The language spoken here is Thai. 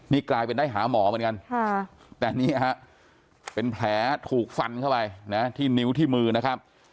นี่กลายเป็นได้หาหมอเหมือนกันแต่นี่ฮะเป็นแผลถูกฟันเข้าไปนะที่นิ้วที่มือนะครับ